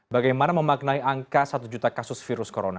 bagaimana memaknai angka satu juta kasus virus corona